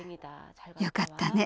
「よかったね